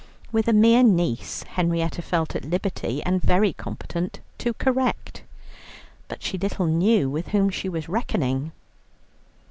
With a mere niece Henrietta felt at liberty, and very competent, to correct. But she little knew with whom she was reckoning.